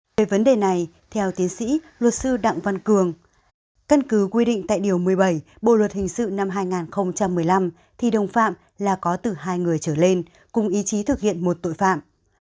về vấn đề này theo tiến sĩ luật sư đặng văn cường căn cứ quy định tại điều một mươi bảy bộ luật hình sự năm hai nghìn một mươi năm thì đồng phạm là có từ hai người trở lên cùng ý chí thực hiện một tội phạm